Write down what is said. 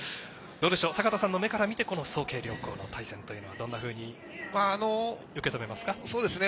坂田さんの目から見てこの早慶両校の対戦というのはどんなふうに受け止めますか？